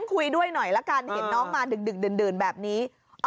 คุยด้วยหน่อยละกันเห็นน้องมาดึกดื่นแบบนี้